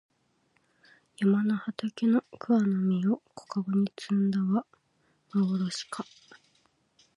山の畑の桑の実を小かごに摘んだはまぼろしか